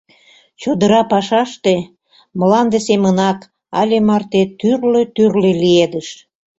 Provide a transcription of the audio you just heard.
Чодыра пашаште, мланде семынак, але марте тӱрлӧ-тӱрлӧ лиедыш.